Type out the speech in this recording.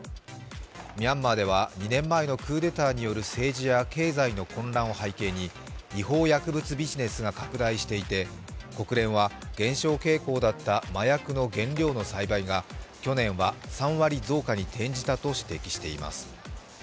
ミャンマーでは２年前のクーデターによる政治や経済の混乱を背景に違法薬物ビジネスが拡大していて、国連は減少傾向だった麻薬の原料の栽培が去年は３割増加に転じたと指摘しています。